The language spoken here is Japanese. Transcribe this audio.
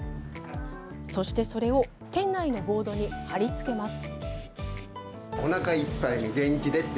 そして、それを店内のボードに貼り付けます。